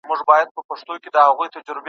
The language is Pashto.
راتلونکی د هغه چا دی چي نن هڅه کوي.